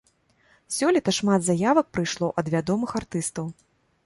Сёлета шмат заявак прыйшло ад вядомых артыстаў.